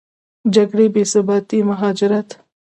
جګړې، بېثباتي، مهاجرت